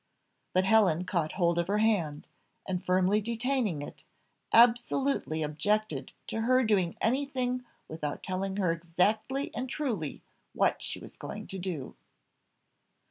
But Helen caught hold of her hand, and firmly detaining it, absolutely objected to her doing anything without telling her exactly and truly what she was going to do.